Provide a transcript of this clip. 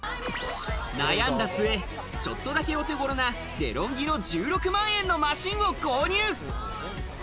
悩んだ末、ちょっとだけお手頃なデロンギの１６万円のマシンを購入。